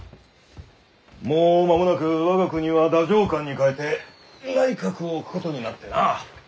もう間もなく我が国は太政官に代えて内閣を置くことになってなあ。